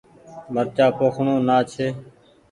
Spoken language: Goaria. مرچآ پوکڻو نآ ڇي ۔